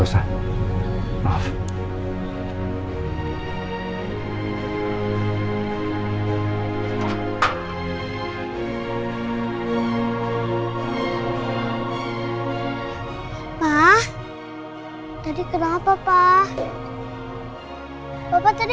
saya akan pergi